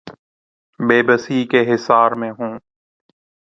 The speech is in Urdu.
بے بسی کے حصار میں ہوں۔